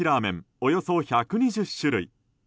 およそ１２０種類。